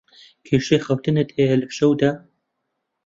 کێشەی خەوتنت هەیە لە شەودا؟